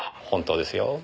本当ですよ。